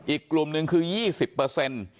อีกกลุ่มหนึ่งคือ๒๐